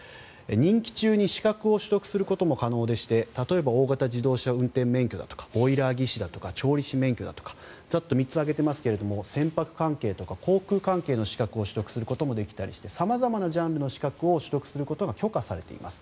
任期中に資格を取得することも可能でして例えば大型自動車運転免許だとかボイラー技士だとか調理師免許だとかざっと３つ挙げていますが船舶関係とか航空関係の資格を取得することもできたりして様々なジャンルの資格を取得することが許可されています。